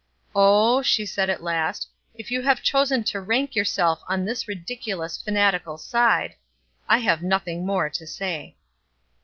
"Oh," she said at last, "if you have chosen to rank yourself on this ridiculous fanatical side, I have nothing more to say."